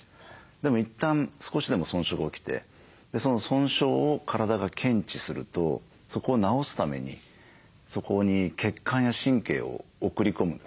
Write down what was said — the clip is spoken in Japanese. でも一旦少しでも損傷が起きてその損傷を体が検知するとそこを治すためにそこに血管や神経を送り込むんですね。